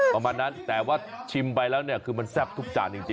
ประมาณนั้นแต่ว่าชิมไปแล้วเนี่ยคือมันแซ่บทุกจานจริง